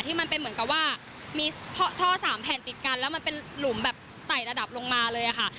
มันเป็นเหมือนกับว่ามีท่อสามแผ่นติดกันแล้วมันเป็นหลุมแบบไต่ระดับลงมาเลยค่ะ